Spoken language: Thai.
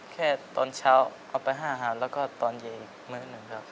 แค่ตอนเช้าเอาไปห้าอาหารแล้วก็ตอนเย็นอีกเมล็ดนึงครับ